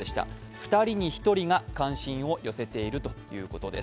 ２人に１人が関心を寄せているということです。